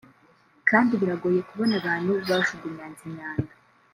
kandi biragoye kubona ahantu bajugunyanze imyanda